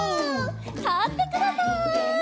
たってください。